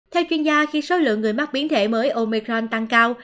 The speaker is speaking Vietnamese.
theo chuyên gia khi số lượng người mắc biến thể mới omecron tăng cao